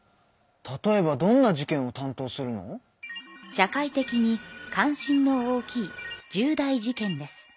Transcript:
社会的に関心の大きい重大事件です。